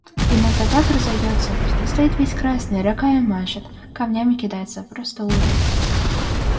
Иногда так разойдется, что стоит весь красный, руками машет, камнями кидается, просто ужас!